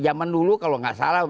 jaman dulu kalau tidak salah